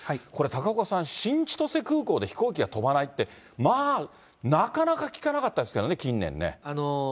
これ、高岡さん、新千歳空港で飛行機が飛ばないって、まあ、なかなか聞かなかったですけどね、近年ね。